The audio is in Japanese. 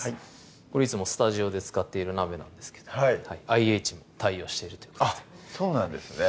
これいつもスタジオで使っている鍋なんですけどもＩＨも対応しているということであっそうなんですね